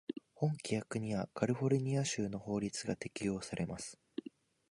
本規約にはカリフォルニア州の法律が適用されます。